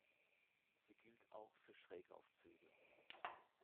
Sie gilt auch für Schrägaufzüge.